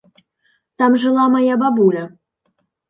Там жыла мая бабуля.